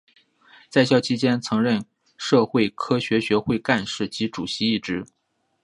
在校期间曾任社会科学学会干事及主席一职。